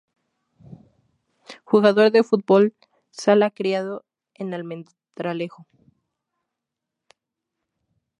Jugador de fútbol sala criado en Almendralejo.